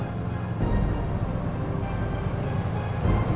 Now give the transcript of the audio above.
tapi aku masih gak bisa terima